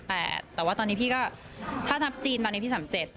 แต่ว่าตอนนี้พี่ก็ถ้านับจีนตอนนี้พี่๓๗